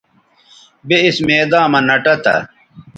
بے اِس میداں مہ نہ ٹہ تھا